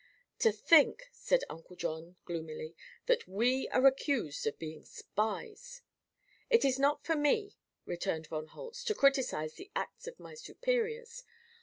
"To think," said Uncle John gloomily, "that we are accused of being spies!" "It is not for me," returned von Holtz, "to criticize the acts of my superiors.